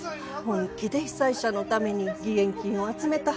本気で被災者のために義援金を集めてはったって。